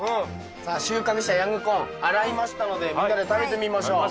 さあ収穫したヤングコーン洗いましたのでみんなで食べてみましょう。